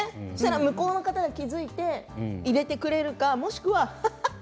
向こうの方が気付いて入れてくれるか、もしくはハハハ。